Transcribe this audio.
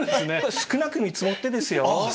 少なく見積もってですよ。